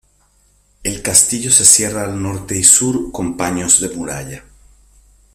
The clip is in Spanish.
El castillo se cierra al norte y sur con paños de muralla.